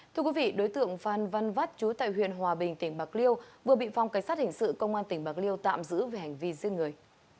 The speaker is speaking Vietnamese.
thưa quý vị đối tượng phan văn vắt trú tại huyện hòa bình tỉnh bạc liêu vừa bị phong cảnh sát hình sự công an tỉnh bạc liêu tạm giữ về hành vi giết người